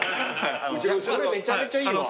めちゃめちゃいいわ。